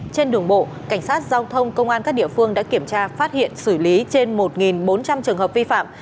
trên đường bộ cảnh sát giao thông công an các địa phương đã kiểm tra phát hiện xử lý trên một bốn trăm linh trường hợp vi phạm